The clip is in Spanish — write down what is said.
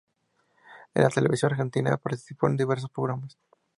En la televisión argentina participó en diversos programas.